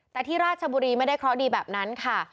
แต่ที่ราชบุรีไม่ได้เคราะห์ดีแบบนั้นค่ะ